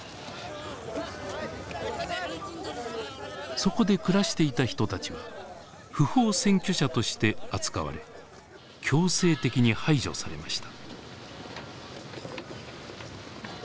そこで暮らしていた人たちは不法占拠者として扱われ強制的に排除されました。